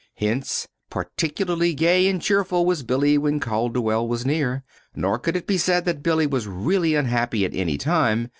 Hence, particularly gay and cheerful was Billy when Calderwell was near. Nor could it be said that Billy was really unhappy at any time.